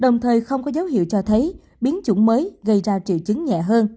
người không có dấu hiệu cho thấy biến chủng mới gây ra triệu chứng nhẹ hơn